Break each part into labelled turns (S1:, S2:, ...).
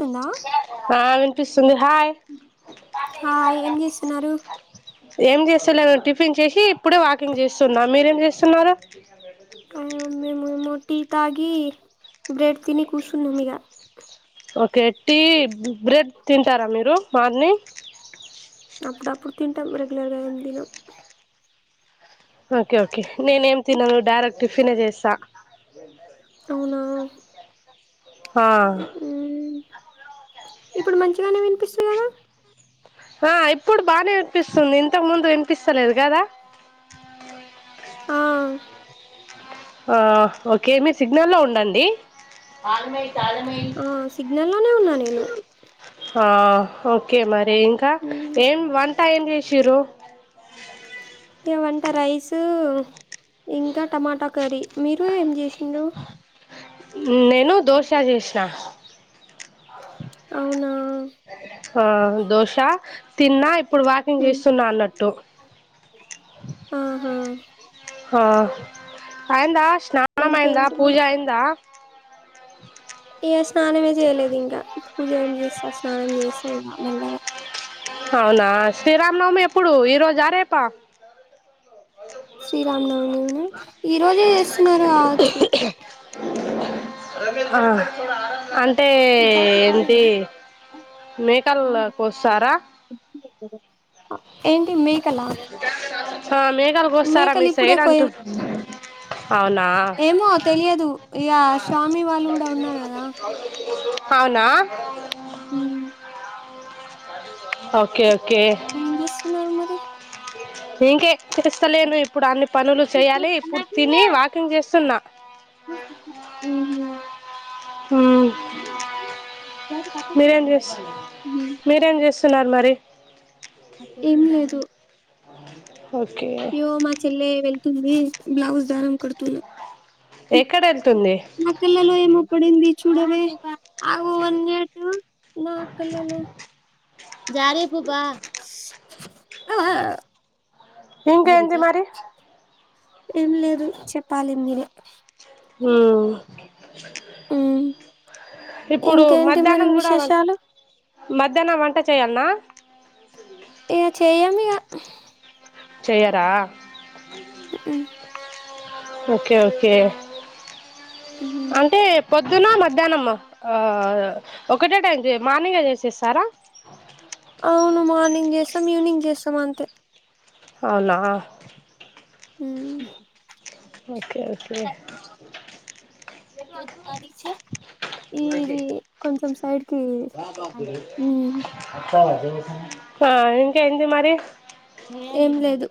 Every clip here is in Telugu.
S1: కుందా
S2: ఆ వినిపిస్తుంది హాయ్
S1: హయ్ ఎమ్ చేస్తున్నారు
S2: ఏం చేస్తలేద్ టిఫిన్ చేసి ఇప్పుడే వాకింగ్ చేస్తున్నా మీరేం చేస్తున్నారు.
S1: అయువ్ మేమెమో టీ తాగి బ్రెడ్ తిని కూసున్నాం ఇగ
S2: ఓకే టీ బ్రెడ్ తింటారా మీరు మార్నింగ్
S1: అప్పుడప్పుడు తింటాం రెగ్యులర్ గా ఎమ్ తినమ్.
S2: ఓకే ఓకే నేనేమ్ తినను డైరెక్ట్ టిఫిన్ చేస్తా
S1: అవునా
S2: హా
S1: మ్మ్ ఇప్పుడు మంచిగానే వినిపిస్తుది కదా
S2: ఆ ఇప్పుడు బానే వినిపిస్తుంది ఇంతకు ముందు వినిపిస్తలేదు గదా.
S1: ఆ
S2: ఆ ఓకే మీ సిగ్నల్ల్లో ఉండండి
S1: ఆ సిగ్నల్ లోనే ఉన్నా నేను
S2: హ ఓకే మరి ఇంకాఎమ్ వంట ఎమ్ చేసిర్రు
S1: వంట రైసు ఇంకా టమాటా కర్రీ మీరు ఎమ్ చేసిండ్రు.
S2: నేను దోశ చేసిన
S1: అవునా
S2: హ దోస తిన్నా ఇప్పుడు వాకింగ్
S1: మ్మ్
S2: చేస్తున్నా అన్నట్టు.
S1: ఆహా
S2: ఆ అయిందా స్నానం అయిందా
S1: ఇంకేంటి
S2: పూజ అయిందా
S1: యే స్నానమే చేయలేదు ఇంకా పూజ ఎమ్ చేస్తా స్నానం చేసే ఇగ మెల్లగా.
S2: అవునా శ్రీరామనవమి ఎప్పుడు ఈ రోజా రేపా
S1: శ్రీరామ నవమినా ఈ రోజే చేస్తున్నారు కావొచ్చు.
S2: ఆ అన్
S1: జాకిట్ అడేనా
S2: మేకల్ కొస్తారా
S1: యేన్ మేకలా
S2: ఆ మేకలు కోస్తారా మీ
S1: మేకలు ఇప్పుడే
S2: సైడ్
S1: కొయం
S2: అంటున్నా అవునా
S1: ఏమో తెలియదు ఇగా శ్యామి వాళ్ళు కూడా ఉన్నారు కదా
S2: అవునా
S1: మ్మ్
S2: ఓకే ఓ
S1: ఏం చేస్తున్నరు మరి?
S2: ఇంకే చేస్తలేను ఇప్పుడు అన్ని పనులు చెయాలి, ఇప్పుడు తిని వాకింగ్ చేస్తున్న. మ్మ్ మీరేం చేస్ మీరేం చేస్ తున్నర్ మరీ
S1: ఏం లేదు.
S2: అవు
S1: యో మా చెల్లె వెళ్తుంది. బ్లౌజు దారం కడుతున్న.
S2: ఎక్కడ వెళ్తుంది
S1: మ కళ్ళలో ఏమో పడింది చూడవే ఆగు వన్ మినెటు నా కళ్ళలో జారేపుబా అబా
S2: ఇంక ఎంది మరి?
S1: ఏం లేదు చెప్పాలి మీరే.
S2: హ్మ్ఁ
S1: మీరే
S2: ఇప్పుడు
S1: ఇంకేంటి మరి
S2: మధ్యాహ్నం కూడ వం
S1: విశేషాలు
S2: మధ్యాహ్నం వంట చేయాల్నా?
S1: ఇగ చేయ్యమిగా
S2: చేయ్యరా!
S1: మ్ హ్
S2: ఓకే ఓకే
S1: ఉహుం.
S2: అంటే పొ ద్దున మధ్యాహ్నం ఆ ఒకటే టైం చే మార్నింగే చేసేస్తారా?
S1: అవును మార్నింగ్ చేస్తం, ఈవినింగ్ చేస్తం అంతే.
S2: అవునా
S1: మ్
S2: ఓకే ఓకే
S1: గ చె ఈ దీ కొంచెం సైడ్కి మ్మ్
S2: ఆఁ ఇంకేంది మరి?
S1: ఏం లేదు.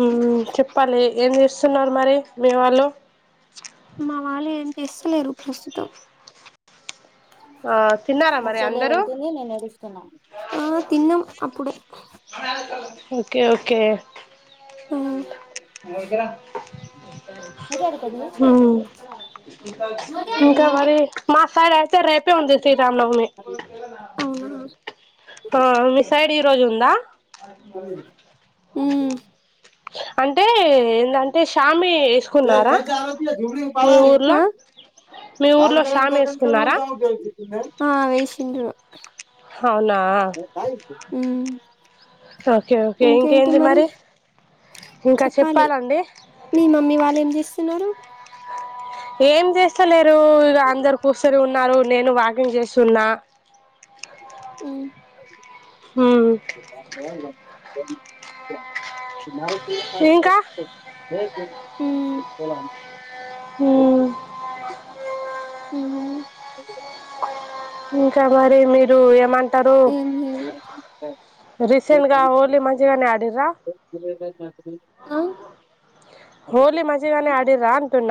S2: మ్మ్ చెప్పాలి ఏం చేస్తున్నరు మరి మీ వాళ్ళు?
S1: మా వాళ్ళు ఏం చేస్తలేరు ప్రస్తుతం.
S2: ఆ తిన్నారా మరి అందరూ
S1: ఆ తిన్నం అప్పుడే
S2: ఓకే ఓకే
S1: మ్
S2: వతరా మ్మ్ ఇంకా మరి మాసైడై తే రేపే ఉంది శ్రీరామ్ నవమి
S1: అవునా
S2: ఆఁ మీ సైడ్ ఈ రోజు ఉందా!
S1: ఉమ్,
S2: అంటే ఏందం టే ష్యామి ఏసుకున్నారా మీ ఊర్లో? మీ ఊర్లో షామి వేసుకున్నారా
S1: ఆఁ వేసిండ్రు.
S2: అవునా
S1: మ్
S2: ఓకే ఓకే ఇంకేంది మరి ఇంకా
S1: చెప్పాలి
S2: చెప్పాలండి
S1: మీ మమ్మీ వాళ్ళు ఏం చేస్తున్నరు?
S2: ఏం చేస్తలేరు ఇగ అందరు కూసొని ఉన్నారు, నేను వాకింగ్ చేస్తున్నా.
S1: మ్
S2: ఉమ్ ఇంకా
S1: మ్మ్
S2: ఉమ్
S1: హ్మ్
S2: ఇంకా మరి మీరు ఏమం
S1: ఏం లేదు
S2: రీసెంట్ గా హోలీ మంచిగానే ఆడిరా
S1: ఆ
S2: హోలీ మంచి గానె ఆడిర్రా అంటున్న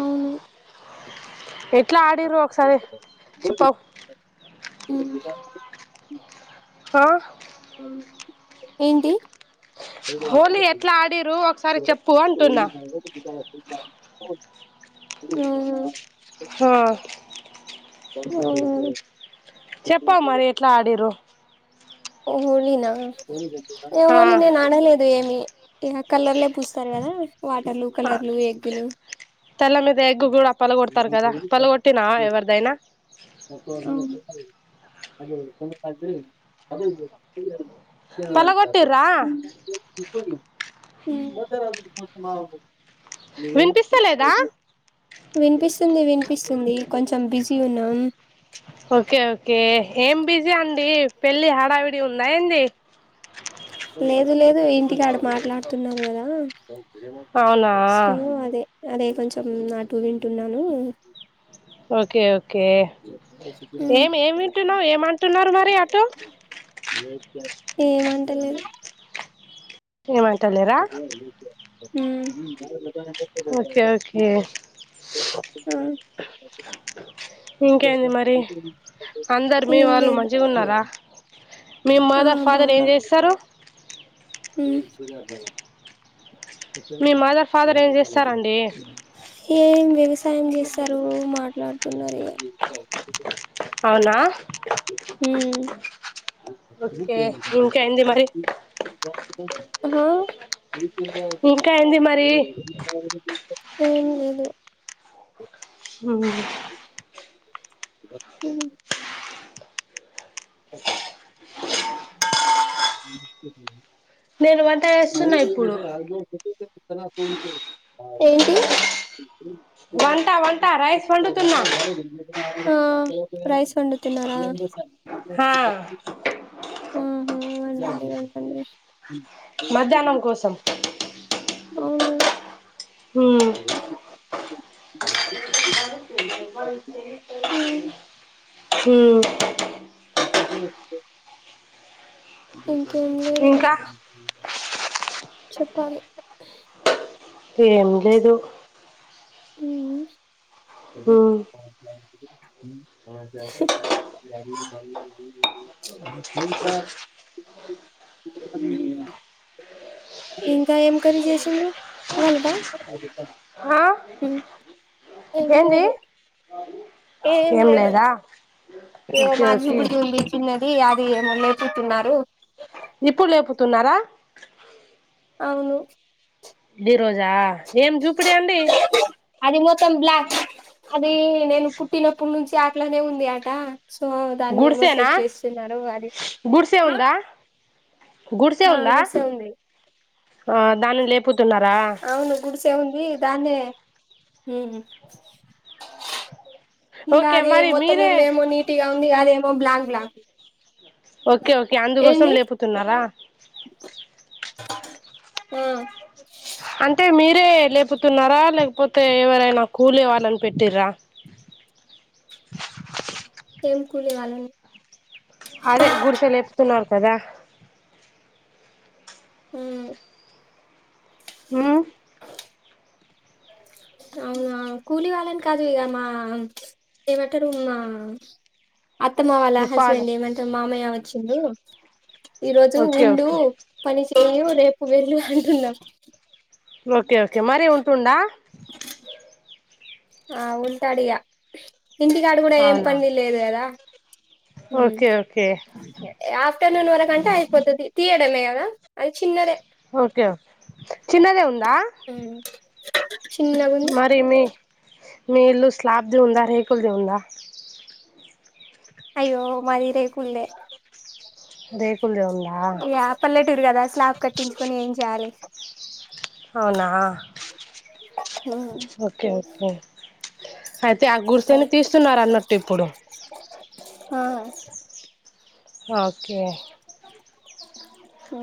S1: అవును
S2: ఎట్లా ఆడిరు ఒకసారి చెప్పవు
S1: ఉమ్.
S2: హా
S1: ఏంటి
S2: హోలీ ఎట్లా ఆడిరు
S1: ఆ
S2: హా
S1: అ [unintelligible]
S2: చెప్ప మరి ఎట్లా ఆడిర్రో
S1: హోళినా
S2: ఆ
S1: హోళీనేనాడలేదు ఏమి ఇహ కలర్లే పూస్తారు కదా వాటర్లు కలర్లు ఎగ్గులు
S2: తెల్ల మీద ఎగ్ కూడా పలగొడతారు కదా పలగొట్టినా ఎవరిదైనా
S1: అమ్
S2: పలగొట్టిర్రా
S1: మ్మ్ హ్మ్
S2: వినిపిస్తలేదా
S1: వినిపిస్తుంది వినిపిస్తుంది కొంచెం బిజీ ఉన్నాం
S2: ఓకే ఓకే ఏం బిజీ అండి పెళ్లి హడావిడిగా ఉందా ఏంది
S1: లేదు లేదు ఇంటికాడ మాట్లాడుతున్నారు కదా
S2: అవునా
S1: సో అదే అదే కొంచెం అటు వింటున్నాను
S2: ఓకే ఒ కే
S1: ఉమ్
S2: ఏం ఏం వింటున్నావు ఏమంటున్నారు మరి అటు
S1: ఏమంటలేదు
S2: ఏమంటలేరా
S1: మ్మ్ హ్మ్
S2: ఓకే ఓకే
S1: ఆ
S2: ఇంకేంది మరి అందరు మీ
S1: ఏం
S2: వాళ్ళు
S1: లేదు
S2: మంచిగున్నారా మీ
S1: ఆ
S2: మదర్ ఫాదర్ ఏం చేస్తారు
S1: హ్మ్
S2: మీ మదర్ ఫాదర్ ఏం చేస్తారండి
S1: ఏం వ్యవసాయం చేస్తారు మాట్లాడుతున్నారు ఇగ
S2: అవునా
S1: ఉమ్
S2: ఓకే ఇంకేంది మరి
S1: హా
S2: ఇంకా ఏంది మరి
S1: ఏం లేదు
S2: హ్మ్
S1: హ్మ్
S2: నేను వంట చేస్తున్నా ఇప్పుడు
S1: [unintelligible] ఏంటి
S2: వంట వంట రైస్ వండుతున్నా
S1: ఆ రైస్ వండుతున్నారా
S2: హా
S1: ఆహా వండండి వండండి
S2: మధ్యాహ్నం కోసం
S1: ఆ
S2: ఉమ్
S1: ఉమ్
S2: హ
S1: ఇంకేం లేదు
S2: ఇంకా
S1: చెప్పాలి
S2: ఏం లేదు
S1: ఉమ్
S2: ఉమ్
S1: ఫ ఇంకా ఏం కర్రీ చేసిండ్రు ఇంకా
S2: ఆ ఏంది
S1: ఎదు
S2: ఏం లేదా ఓకే
S1: మా జు [unintelligible]
S2: ఓకే
S1: బుడి ఉంది చిిన్నది అది ఏమ లేకుంటున్నారు
S2: ఇప్పుడు లేపుతున్నారా
S1: అవును
S2: ఈ రోజా ఏం చూపిడి అండి
S1: అది మొత్తం బ్లాక్ అది నేను పుట్టినప్పుడు నుంచి అట్లనే ఉంది ఆట సో దాన్ని ఏమో
S2: గుడిసేనా
S1: సెట్ చేస్తున్నారు వారి
S2: గుడిసే
S1: ఆ
S2: ఉందా గుడిసే
S1: ఆ
S2: ఉందా
S1: గుడిసె ఉంది
S2: ఆ దానిని లేపుతున్నారా
S1: చెయ్ దాని
S2: ఓకే
S1: ఇయ్యాలి ఏమో
S2: మరి
S1: మొత్తం
S2: మీరే
S1: ఇల్లు ఏమో నీట్గా ఉంది అదేమో బ్లాక్ బ్లాక్
S2: ఓకే ఓకే అందుకోసం
S1: ఏంది
S2: లేపుతున్నారా
S1: ఉ
S2: అంటే మీరే లేపోతున్నారా లేకపోతే ఎవరైనా కూలీ వాళ్ళని పెట్టిరా
S1: ఏం కూలీ వాళ్ళనే
S2: అదే గుడిసె లేపుతున్నారు కదా
S1: ఉ
S2: ఉ
S1: అవునా కూలీ వాళ్ళని కాదు ఇగా మా ఏమంటారు మా అత్తమ్మ వాళ్ళ
S2: మీ
S1: హస్బెండ్
S2: ఫాదర్
S1: ఏమంటరు మామయ్య వచ్చిండు ఈ రోజు
S2: ఓకే
S1: ఉండు
S2: ఓకే
S1: పని చేయు రేపు వెళ్ళు అంటున్నాం
S2: ఓకే ఓకే మరి ఉంటుండా
S1: ఆ ఉంటాడు ఇగా ఇంటికాడు కూడా ఏం
S2: అవునా
S1: పని లేదు కదా ఉ
S2: ఓకే ఓకే
S1: అంతే ఆఫ్టర్నూన్ వరకుంటే అయిపోతది తీయడమే కదా అది చిన్నదే
S2: ఓకే ఓకే చిన్నదే ఉందా
S1: చిన్నగుంది
S2: మరి మీ మీ ఇల్లు స్లాబ్ది ఉందా రేకులది ఉందా
S1: అయ్యో మాదిరేకుల్దే
S2: రేకులుది ఉందా
S1: రు కదా స్లాబ్ కట్టించుకొని ఏం చేయాలి
S2: అవునా ఓకే ఓకే అయితే ఆ గుడిసెని తీస్తున్నారు అన్నట్టు ఇప్పుడు
S1: ఆ
S2: ఓకే
S1: ఉ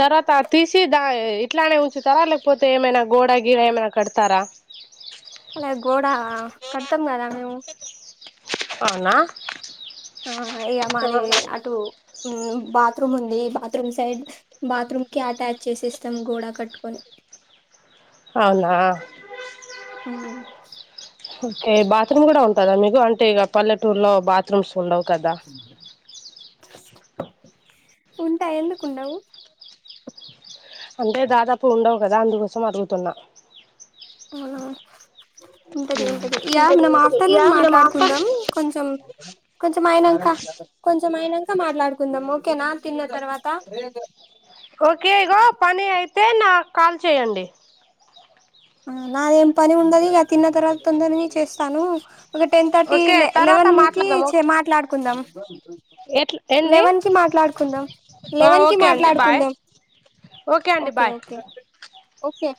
S2: తర్వాత అది తీసి దాయి ఇట్లనే ఉంచుతారా లేకపోతే ఏమైనా గోడ గీర ఏమైనా కడతారా
S1: గోడ కట్టం కదా మేము
S2: అవునా
S1: ఆ ఇగ మాది అటు ఉ బాత్రూమ్ ఉంది బాత్రూమ్ సైడ్ బాత్రూమ్ కి అటాచ్ చేసి ఇస్తాం గోడ కట్టుకొని
S2: అవునా
S1: ఉ
S2: ఓకే బాత్రూమ్ కూడా ఉంటదా మీకు అంటే ఇగ పల్లెటూర్లో బాత్రూమ్స్ ఉండవు కదా
S1: ఉంటాయి ఎందుకుండవు
S2: అంటే దాదాపు ఉండవు కదా అందుకోసం అడుగుతున్నా
S1: అవునా ఉంటది ఉంటది ఇగా మనం
S2: ఉంటది ఇగ
S1: ఆఫ్టర్నూన్
S2: మేము ఆఫర్
S1: మాట్లాడుకుందాం కొంచం కొంచెం అయినాంక కొంచెం అయినాంక మాట్లాడుకుందాం ఓకేనా తిన్న తర్వాత
S2: ఓకే ఇగో పని అయితే నాకు కాల్ చేయండి
S1: నాదేం పని ఉన్నది ఇగ తిన్న తర్వాత తొందరగానే చేస్తాను ఒక టెన్ థర్టీ
S2: ఓకే తర్వాత
S1: లెవెన్ కి
S2: మాట్లాడదాం
S1: చెయ్
S2: ఓకే
S1: మాట్లాడుకుందాం
S2: ఎట్లా ఏంది
S1: లెవెన్ కి మాట్లాడుకుందాం లెవెన్ కి
S2: ఓకే అండి బాయ్
S1: మాట్లాడుకుందాం
S2: ఓకే అండి బాయ్
S1: ఓకే